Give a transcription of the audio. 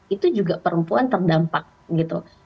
itu juga perempuan terdampak gitu